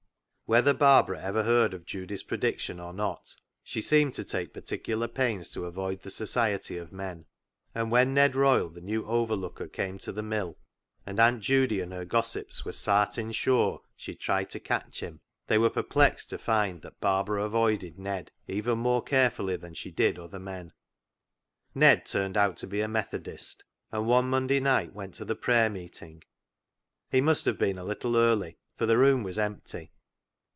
Whether Barbara ever heard of Judy's pre diction or not, she seemed to take particular pains to avoid the society of men, and when Ned Royle, the new overlooker, came to the mill, and Aunt Judy and her gossips were " sartin sure " she'd try to catch him, they were perplexed to find that Barbara avoided Ned even more carefully than she did other men. Ned turned out to be a Methodist, and one Monday night went to the prayer meeting. He must have been a little early, for the room was empty.